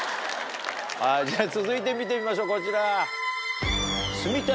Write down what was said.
はいじゃ続いて見てみましょうこちら。